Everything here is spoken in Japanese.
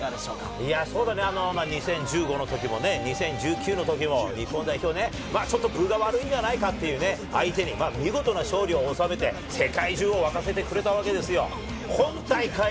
２０１５のときも２０１９のときも日本代表、ちょっと分が悪いんじゃないかという相手に見事、勝利を収めて世界中を沸かせてくれたわけですよ。